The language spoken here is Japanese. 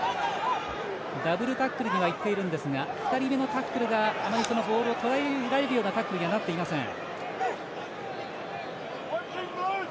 ダブルタックルではいっているんですが２人目のタックルがあまりボールをとらえられるようなタックルにはなっていません。